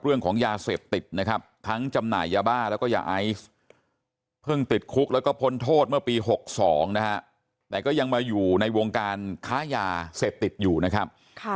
เราจับกลุ่มได้แน่นอนครับ